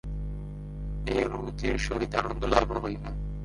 এই অনুভূতির সহিত আনন্দলাভও হইবে।